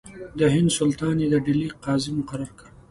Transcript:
د هند سلطان یې د ډهلي قاضي مقرر کړ.